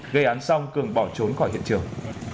gây án xong cường bỏ trốn khỏi hiện trường